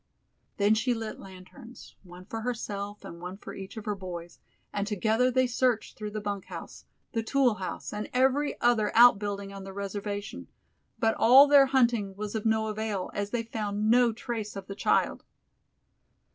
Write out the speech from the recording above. Then she lit lanterns, one for herself and one for each of her boys, and together they searched through the bunk house, the tool house and every other out building on the reservation, but all their hunting was of no avail, as they found no trace of the child.